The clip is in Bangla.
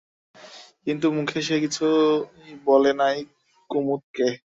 কিন্তু মুখে সে কিছুই বলে নাই কুমুদকে।